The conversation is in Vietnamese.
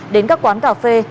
đến các quán cà phê